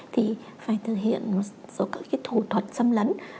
thì phải thực hiện một số các cái thủ thuật xâm lấn